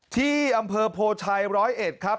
ที่อำเภอโพชัย๑๐๑ครับ